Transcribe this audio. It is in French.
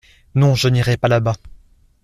Non, je n’irai pas là-bas.